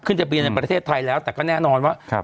ขึ้นจะเป็นในประเทศไทยแล้วแต่ก็แน่นอนว่าครับ